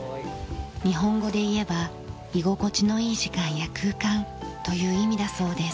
日本語でいえば「居心地のいい時間や空間」という意味だそうです。